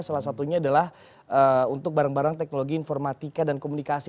salah satunya adalah untuk barang barang teknologi informatika dan komunikasi